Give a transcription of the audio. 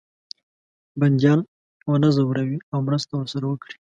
بندیان ونه زوروي او مرسته ورسره وکړي.